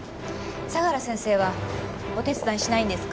相良先生はお手伝いしないんですか？